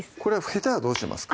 へたはどうしますか？